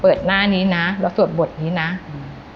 หน้านี้นะแล้วสวดบทนี้นะอืม